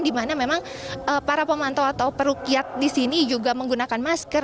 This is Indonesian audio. di mana memang para pemantau atau perukiat di sini juga menggunakan masker